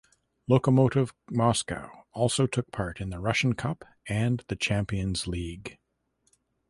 Lokomotiv Moscow also took part in the Russian Cup and the Champions League.